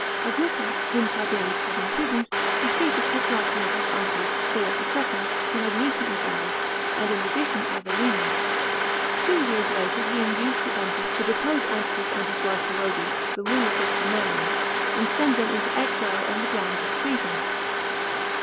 Agrippa, whom Tiberius bad imprisoned, received the tetrarchy* of his uncle, Philip IIM who had recently died, and in addition Abilene. Two years later, he induced the Kmperor to deposs Antipas and his wife Herodias, the rulers of Samaria, and send them into exile, on the ground of treason.